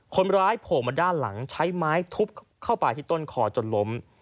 โผล่มาด้านหลังใช้ไม้ทุบเข้าไปที่ต้นคอจนล้ม